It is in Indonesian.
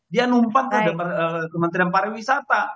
dia numpang ke kementerian pariwisata